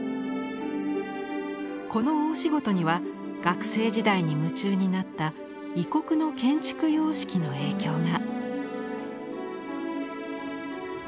この大仕事には学生時代に夢中になった異国の建築様式の影響が。